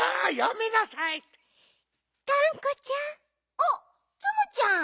あっツムちゃん！